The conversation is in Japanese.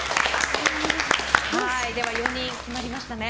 ４人決まりましたね。